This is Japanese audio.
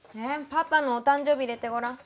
パパのお誕生日入れてごらん。